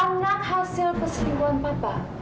anak hasil pesingguan papa